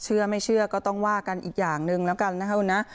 เชื่อไม่เชื่อก็ต้องว่ากันอีกอย่างหนึ่งแล้วกันนะครับคุณนะ